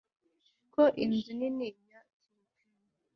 Ko inzu nini ya Tarquin